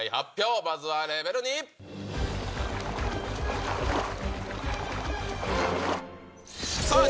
まずはレベル２。